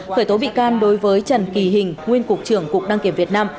khởi tố bị can đối với trần kỳ hình nguyên cục trưởng cục đăng kiểm việt nam